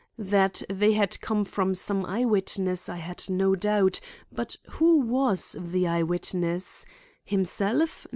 That they had come from some eye witness I had no doubt, but who was the eye witness? Himself?